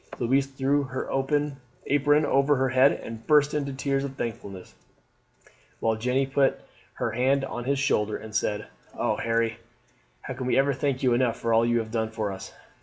Louise threw her apron over her head and burst into tears of thankfulness, while Jeanne put her hand on his shoulder and said: "Oh, Harry, how can we ever thank you enough for all you have done for us?"